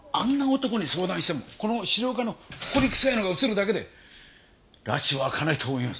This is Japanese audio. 男に相談してもこの資料課のホコリくさいのがうつるだけでらちは明かないと思います。